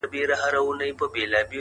ابن مريمه زما له سيورې مه ځه!